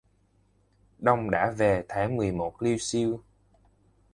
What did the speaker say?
Đông đã về tháng mười một liêu xiêu...!